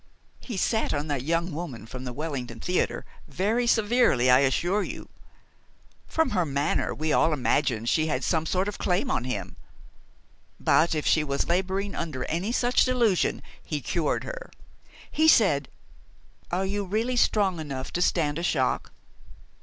"He sat on that young woman from the Wellington Theater very severely, I assure you. From her manner we all imagined she had some sort of claim on him; but if she was laboring under any such delusion he cured her. He said Are you really strong enough to stand a shock?"